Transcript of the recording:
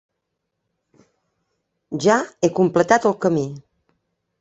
Ja he completat el camí.